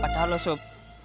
padahal loh sop